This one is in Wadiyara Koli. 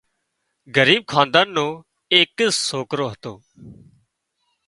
ڳريٻ حاندان نو ايڪز سوڪرو هتو